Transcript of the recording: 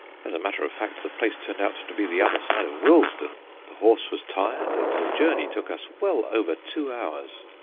As a matter of fact, the place turned out to be the other side of Willesden. The horse was tired, and the journey took us well over two hours.